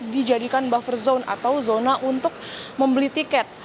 dijadikan buffer zone atau zona untuk membeli tiket